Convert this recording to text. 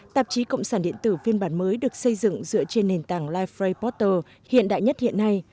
tạp chí cộng sản điện tử phiên bản mới được xây dựng dựa trên nền tảng liferay poter hiện đại nhất hiện nay